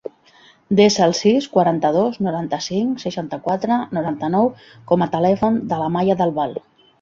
Desa el sis, quaranta-dos, noranta-cinc, seixanta-quatre, noranta-nou com a telèfon de l'Amaia Del Val.